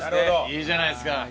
いいじゃないですか！